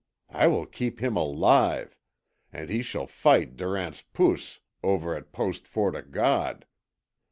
I will keep him alive; and he shall fight Durant's POOS over at Post Fort O' God!